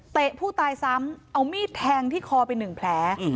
ผู้ตายซ้ำเอามีดแทงที่คอไปหนึ่งแผล